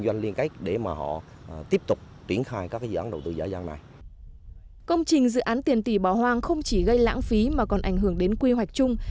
công trình dự án tiền tỷ bỏ hoang không chỉ gây lãng phí mà còn ảnh hưởng đến quy hoạch chung